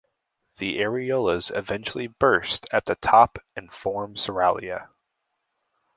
The areoles eventually burst at the top and form soralia.